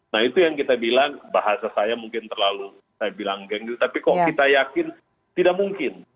nah itu yang kita bilang bahasa saya mungkin terlalu saya bilang geng gitu tapi kok kita yakin tidak mungkin